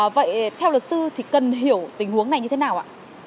vậy theo luật sư thì cần hiểu tình huống này như thế nào ạ